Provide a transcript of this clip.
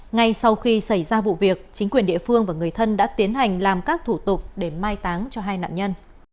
ngay sau khi xảy ra vụ việc chính quyền địa phương và người thân đã tiến hành làm các thủ tục để mai táng cho hai nạn nhân